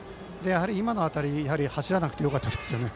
今の当たりは走らなくてよかったですね。